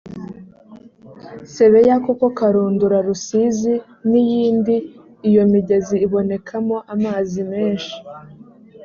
sebeya koko karunduru rusizi n iyindi iyo migezi ibonekamo amazi menshi